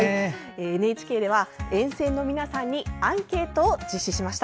ＮＨＫでは沿線の皆さんにアンケートを実施しました。